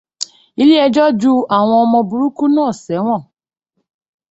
Ilé ẹjọ́ ju àwọn ọmọ burúkú náà sẹ́wọ̀n.